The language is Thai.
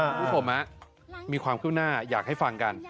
คุณผู้ชมมีความขึ้นหน้าอยากให้ฟังกัน